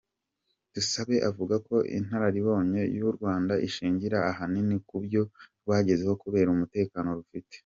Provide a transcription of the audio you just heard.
Dusabe avuga ko inararibonye y’u Rwanda ishingira ahanini kubyo rwagezeho kubera umutekano rufite.